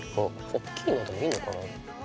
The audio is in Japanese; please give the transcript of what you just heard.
大きいのでもいいのかな？